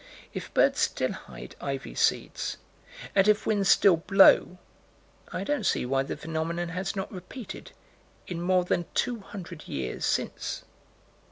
If birds still hide ivy seeds, and if winds still blow, I don't see why the phenomenon has not repeated in more than two hundred years since.